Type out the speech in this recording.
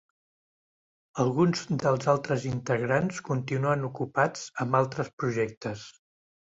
Alguns dels altres integrants continuen ocupats amb altres projectes.